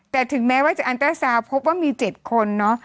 แต่ถึงแม้ว่าจะอันตราซาวพบว่ามี๗คนเนอะ